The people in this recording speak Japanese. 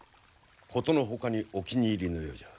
殊の外にお気に入りのようじゃ。